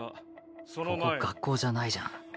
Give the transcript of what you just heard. ここ学校じゃないじゃん。